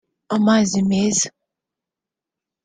amazi meza